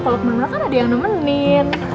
kalo kemana mana kan ada yang nemenin